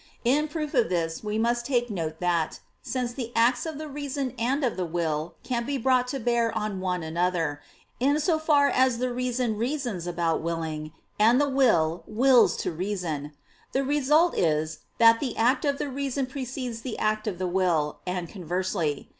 In proof of this, we must take note that, since the acts of the reason and of the will can be brought to bear on one another, in so far as the reason reasons about willing, and the will wills to reason, the result is that the act of the reason precedes the act of the will, and conversely.